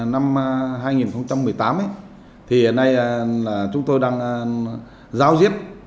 năm hai nghìn một mươi tám thì hiện nay là chúng tôi đang giao diếp